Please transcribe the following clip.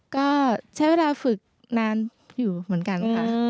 ก็ใช้เวลาฝึกนานอยู่เหมือนกันค่ะ